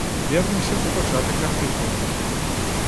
Вернемся ў пачатак артыкула.